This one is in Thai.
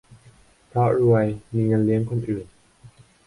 เพราะรวย มีเงินเลี้ยงคนอื่น